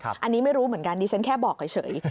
อันนี้ไม่รู้เหมือนกันดิฉันแค่บอกเฉย